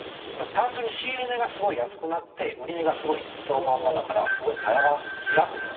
単純に仕入れ値が安くなって売値がそのまんまだからすごい差が開く。